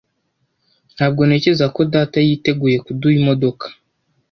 Ntabwo ntekereza ko data yiteguye kuduha imodoka.